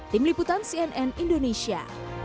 tim liputan cnn indonesia